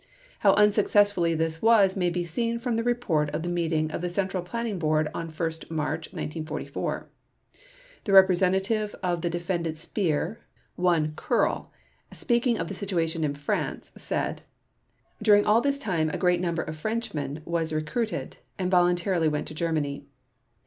How unsuccessful this was may be seen from the report of the meeting of the Central Planning Board on 1 March 1944. The representative of the Defendant Speer, one Koehrl, speaking of the situation in France, said: "During all this time a great number of Frenchmen was recruited, and voluntarily went to Germany."